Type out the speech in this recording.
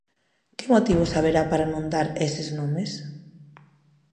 Que motivos haberá para non dar eses nomes?